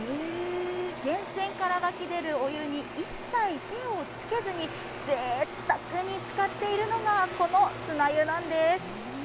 源泉から湧き出るお湯に一切手をつけずに、ぜいたくに使っているのが、この砂湯なんです。